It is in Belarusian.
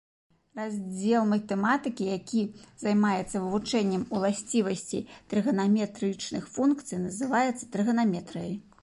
Раздзел матэматыкі, які займаецца вывучэннем уласцівасцей трыганаметрычных функцый, называецца трыганаметрыяй.